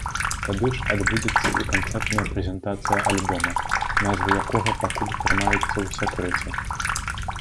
Тады ж адбудзецца і канцэртная прэзентацыя альбома, назва якога пакуль трымаецца ў сакрэце.